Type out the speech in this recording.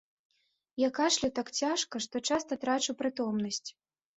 Я кашляю так цяжка, што часта трачу прытомнасць.